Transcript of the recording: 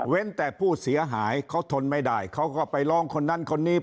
แต่ผู้เสียหายเขาทนไม่ได้เขาก็ไปร้องคนนั้นคนนี้